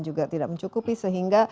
juga tidak mencukupi sehingga